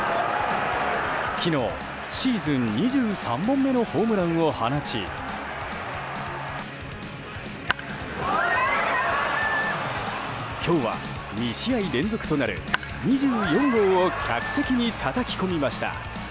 昨日、シーズン２３本目のホームランを放ち今日は２試合連続となる２４号を客席にたたき込みました。